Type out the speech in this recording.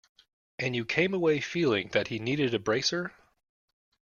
And you came away feeling that he needed a bracer?